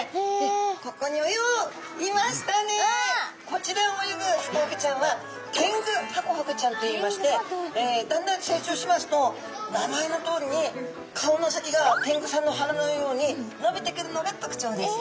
こちらに泳ぐハコフグちゃんはテングハコフグちゃんといいましてだんだん成長しますと名前のとおりに顔の先がテングさんの鼻のようにのびてくるのが特徴です。